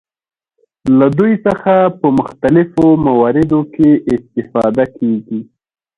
له دوی څخه په مختلفو مواردو کې استفاده کیږي.